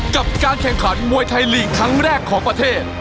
กับการแข่งขันมวยไทยลีกครั้งแรกของประเทศ